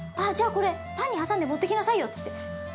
「あじゃあこれパンに挟んで持っていきなさいよ」って言って。